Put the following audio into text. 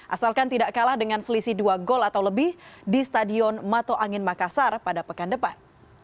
asalkan tidak kalah dengan selisih dua gol atau lebih di stadion mato angin makassar pada pekan depan